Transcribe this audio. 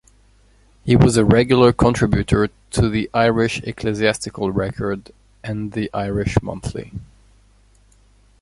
He was a regular contributor the "Irish Ecclesiastical Record" and the "Irish Monthly".